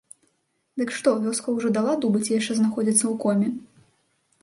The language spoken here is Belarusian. Дык што, вёска ўжо дала дуба ці яшчэ знаходзіцца ў коме?